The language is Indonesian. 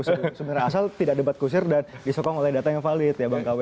sebenarnya asal tidak debat kusir dan disokong oleh data yang valid ya bang kw